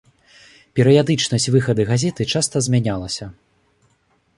Перыядычнасць выхаду газеты часта змянялася.